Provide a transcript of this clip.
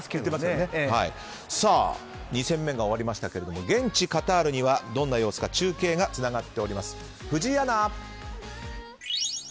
２戦目が終わりましたけど現地カタールには、どんな様子か中継がつながっています。